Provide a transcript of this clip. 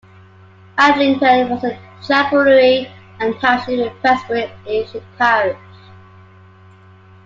Adlington was a chapelry and township in Prestbury ancient parish.